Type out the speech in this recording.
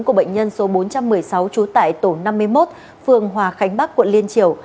của bệnh nhân số bốn trăm một mươi sáu trú tại tổ năm mươi một phường hòa khánh bắc quận liên triều